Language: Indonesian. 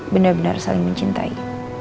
benar benar saling mencintai